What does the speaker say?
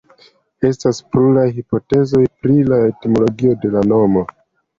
Estas pluraj hipotezoj pri la etimologio de la nomo.